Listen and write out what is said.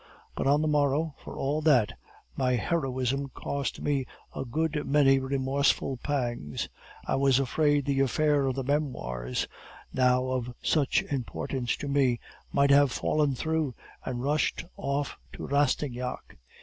But on the morrow, for all that, my heroism cost me a good many remorseful pangs; I was afraid the affair of the Memoirs, now of such importance for me, might have fallen through, and rushed off to Rastignac.